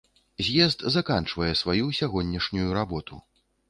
З'езд заканчвае сваю сягонняшнюю работу.